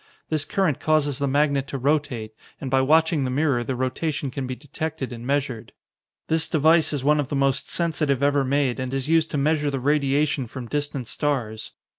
This current causes the magnet to rotate and by watching the mirror, the rotation can be detected and measured. "This device is one of the most sensitive ever made, and is used to measure the radiation from distant stars.